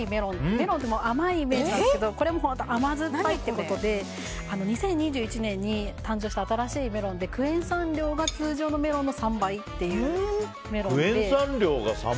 メロンって甘いイメージなんですけどこれは本当に甘酸っぱいということで２０１１年に誕生した、新しいメロンでクエン酸量が通常のメロンの３倍っていうメロンで。